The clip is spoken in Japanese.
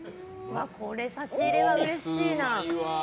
これ差し入れはうれしいな。